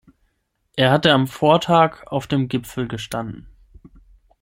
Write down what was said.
Er hatte am Vortag auf dem Gipfel gestanden.